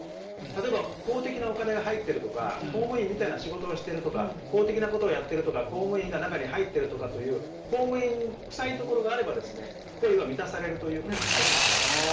例えば公的なお金が入っているとか公務員みたいな仕事をしているとか公的なことをやってるとか公務員が中に入っているという公務員臭いところがあれば見なされると解釈されています。